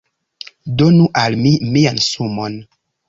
Donu al mi mian sumon